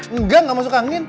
enggak gak masuk angin